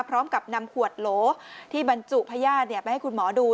พร้อมกับนำขวดโหลที่บรรจุพญาติไปให้คุณหมอดู